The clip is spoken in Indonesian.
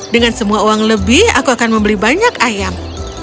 dengan semua uang lebih aku akan membeli banyak ayam